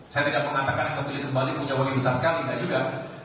saya tidak mengatakannya terpilih kembali punya uang yang besar sekali tidak juga